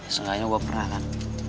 seenggaknya gue pernah kan